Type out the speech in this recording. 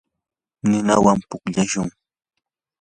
ninawan pukllashun.